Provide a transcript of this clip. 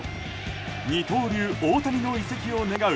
二刀流・大谷の移籍を願う